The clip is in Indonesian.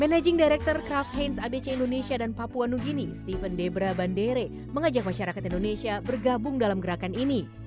managing director kraft heinz abc indonesia dan papua new guinea steven debra bandere mengajak masyarakat indonesia untuk berkongsi dalam gerakan ini